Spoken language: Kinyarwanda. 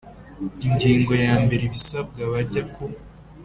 Ingingo ya mbere ibisabwa abajya ku